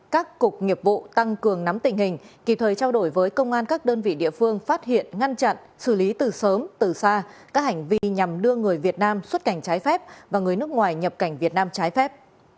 các cục nghiệp vụ tăng cường nắm tình hình kịp thời trao đổi với công an các đơn vị địa phương phát hiện ngăn chặn xử lý từ sớm từ xa các hành vi nhằm đưa người việt nam xuất cảnh trái phép và người nước ngoài nhập cảnh việt nam trái phép